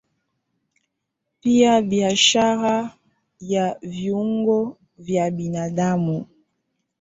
Pia biashara ya viungo vya binadamu